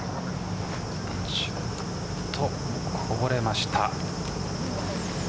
ちょっとこぼれました。